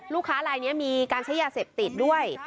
ลายนี้มีการใช้ยาเสพติดด้วย